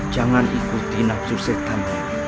jangan ikuti nafsu setan